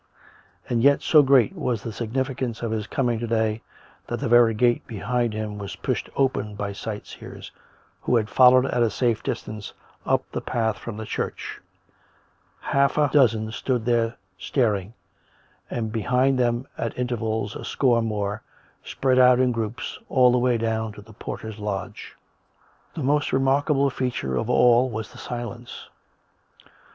And yet so great was the significance of his coming to day that the very gate behind him was pushed open by sightseers, who had followed at a safe distance up the path from the church; half a dozen stood there staring, and behind them, at intervals, a score more, spread out in groups, all the way down to the porter's lodge. The most remarkable feature of all was the silence.